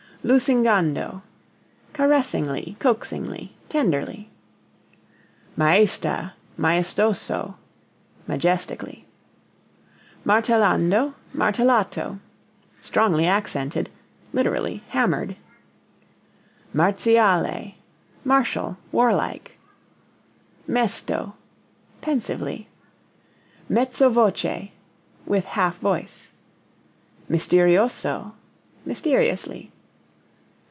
Lusingando caressingly, coaxingly, tenderly. Maesta, maestoso majestically. Martellando, martellato strongly accented, (lit. hammered). Marziale martial war like. Mesto pensively. Mezzo voce with half voice. Misterioso mysteriously.